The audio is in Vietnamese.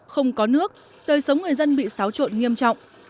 không có nước đời sống người dân bị xáo trộn nghiêm trọng